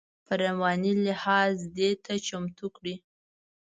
په رواني لحاظ دې ته چمتو کړي.